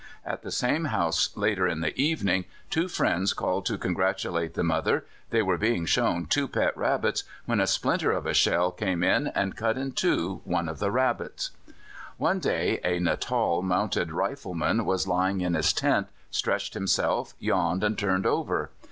At the same house later in the evening two friends called to congratulate the mother; they were being shown two pet rabbits, when a splinter of a shell came in and cut in two one of the rabbits. One day a Natal Mounted Rifleman was lying in his tent, stretched himself, yawned, and turned over.